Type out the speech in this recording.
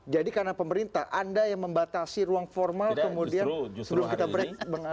jadi karena pemerintah anda yang membatasi ruang formal kemudian